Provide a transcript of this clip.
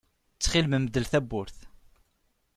Ttxil-m mdel tawwurt.